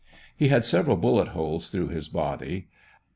He had several bullet holes through his body.